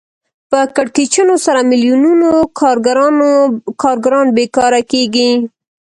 په کړکېچونو سره میلیونونو کارګران بېکاره کېږي